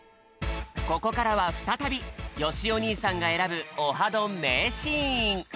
ここからはふたたびよしお兄さんが選ぶ「オハどん！」名シーン！